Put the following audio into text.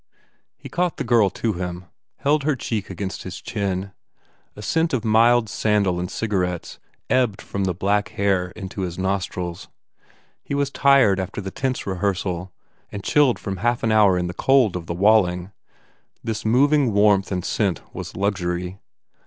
He caught the girl to him, held her cheek against his chin. A scent of mild sandal and cigarettes ebbed from the black hair into his nostrils. He was tired 2 1 8 BUBBLE after the tense rehearsal and chilled from half an hour in the cold of the Walling. This moving warmth and scent was luxury.